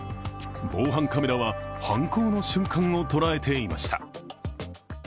防犯カメラは、犯行の瞬間を捉えていました。